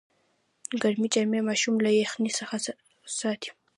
ګرمې جامې ماشوم له یخنۍ ساتي۔